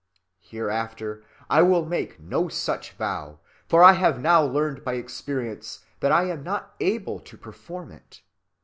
Hereafter I will make no such vow: for I have now learned by experience that I am not able to perform it.